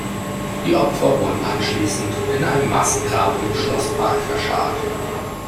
Die Opfer wurden anschließend in einem Massengrab im Schlosspark verscharrt.